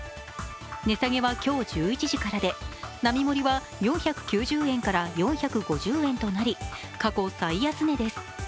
値下げは今日１１時からで、並盛は４９０円から４５０円となり、過去最安値です。